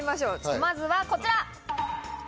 まずはこちら。